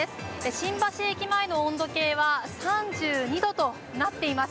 新橋駅前の温度計は３２度となっています。